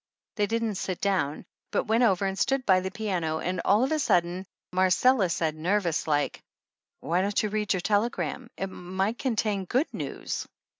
They didn't sit down, but went over and stood by the piano and all of a sudden Marcella said nervous like : "Why don't you read your telegram? It might contain good news."